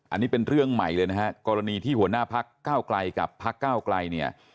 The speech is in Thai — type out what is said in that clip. อันนี้เป็นเรื่องใหม่เลยนะฮะกรณีที่หัวหน้าพักเก้าไกลกับพักเก้าไกลเนี่ย